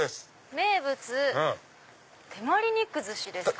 「名物手毬肉寿司」ですか。